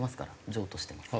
譲渡してます。